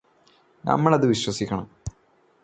നമ്മളത് വിശ്വസിക്കണം